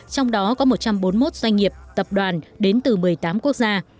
trong đó có một trăm bốn mươi một doanh nghiệp tập đoàn đến từ một mươi tám quốc gia